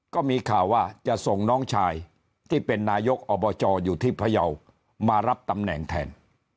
ก็มีข่าวว่าจะส่งน้องชายที่เป็นนายกอบจอยู่ที่พยาวมารับตำแหน่งแทน